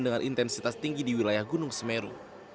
dengan intensitas tinggi di wilayah gunung semeru